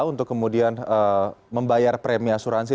untuk kemudian membayar premi asuransi